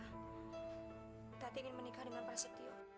kita ingin menikah dengan pak setio